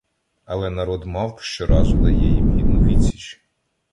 Але народ мавп щоразу дає їм гідну відсіч.